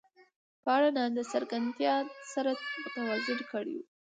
په اړه د ناڅرګندتیا سره متوازن کړه.